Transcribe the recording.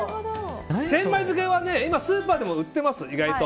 千枚漬は今スーパーでも売ってます。